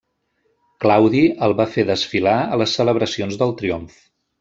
Claudi el va fer desfilar a les celebracions del triomf.